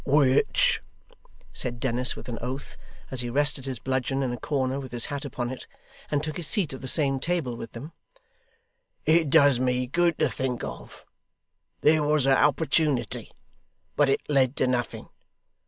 'Which,' said Dennis, with an oath, as he rested his bludgeon in a corner with his hat upon it, and took his seat at the same table with them, 'it does me good to think of. There was a opportunity! But it led to nothing.